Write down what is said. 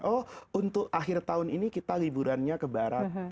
oh untuk akhir tahun ini kita liburannya ke barat